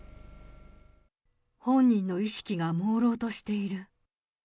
本人の意識がもうろうとしている。